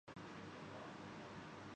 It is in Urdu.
وہ اس سے مختلف ہوتا ہے جو